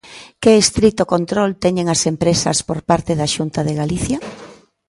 ¿Que estrito control teñen as empresas por parte da Xunta de Galicia?